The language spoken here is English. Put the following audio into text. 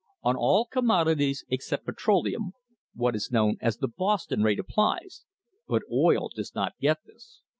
On all commodities except petroleum, what is known as the Boston rate applies, but oil does not get this.